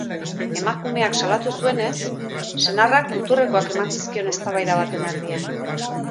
Emakumeak salatu zuenez, senarrak muturrekoak eman zizkion eztabaida baten erdian.